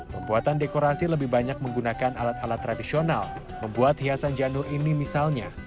pembuatan dekorasi lebih banyak menggunakan alat alat tradisional membuat hiasan janur ini misalnya